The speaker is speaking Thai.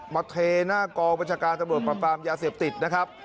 เทหน้ากองบัญชาการตำรวจปรับปรามยาเสพติดนะครับ